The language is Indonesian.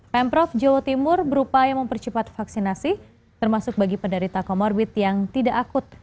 pemprov jawa timur berupaya mempercepat vaksinasi termasuk bagi penderita comorbid yang tidak akut